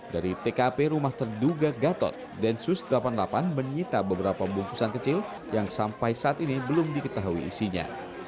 dari tkp rumah terduga gatot densus delapan puluh delapan menyita beberapa bungkusan kecil yang sampai saat ini belum diketahui isinya